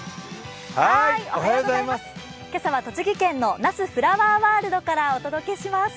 今朝は栃木県の那須フラワーワールドからお届けします。